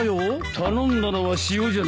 頼んだのは塩じゃないか。